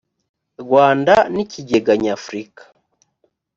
rwanda n ikigega nyafurika